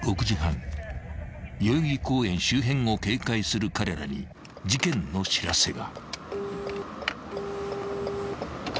［代々木公園周辺を警戒する彼らに事件の知らせが］